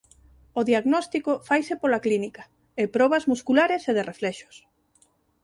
O diagnóstico faise pola clínica e probas musculares e de reflexos.